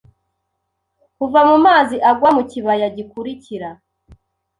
Kuva mu mazi agwa mu kibaya gikurikira